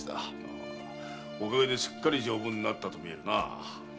おかげですっかり丈夫になったとみえるなあ。